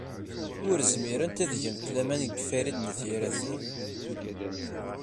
Ur zmirent ad gent laman deg Farid n At Yiraten.